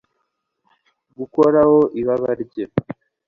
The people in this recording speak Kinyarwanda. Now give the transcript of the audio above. Gukoraho ibaba rye